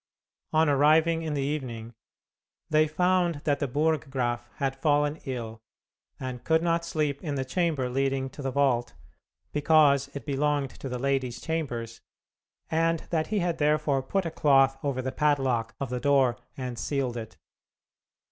On arriving in the evening, they found that the Burggraf had fallen ill, and could not sleep in the chamber leading to the vault, because it belonged to the ladies' chambers, and that he had therefore put a cloth over the padlock of the door and sealed it.